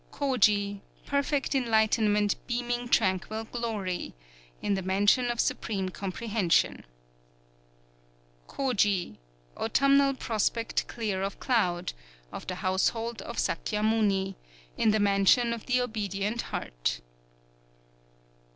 _ Koji, Perfect Enlightenment beaming tranquil Glory, in the Mansion of Supreme Comprehension. _Koji, Autumnal Prospect Clear of Cloud, of the Household of Sakyamuni, in the Mansion of the Obedient Heart.